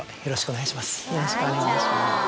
よろしくお願いします。